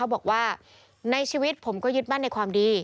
บอกว่าในชีวิตผมก็ยึดมั่นในความดี